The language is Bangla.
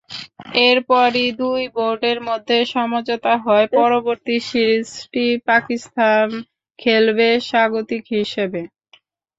এরপরই দুই বোর্ডের মধ্যে সমঝোতা হয়, পরবর্তী সিরিজটি পাকিস্তান খেলবে স্বাগতিক হিসেবে।